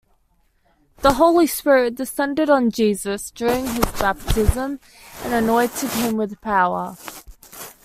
The Holy Spirit descended on Jesus during his baptism and anointed him with power.